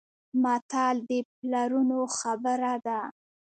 متل د پلرونو خبره ده.